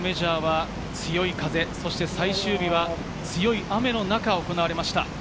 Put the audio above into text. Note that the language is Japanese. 今シーズン最初のメジャーは強い風、そして最終日は強い雨の中、行われました。